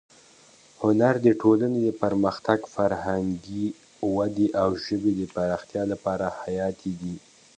هنر د ټولنې د پرمختګ، فرهنګي ودې او ژبې د پراختیا لپاره حیاتي دی.